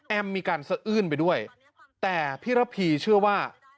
มีการสะอื้นไปด้วยแต่พี่ระพีเชื่อว่า